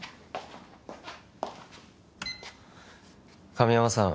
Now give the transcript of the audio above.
神山さん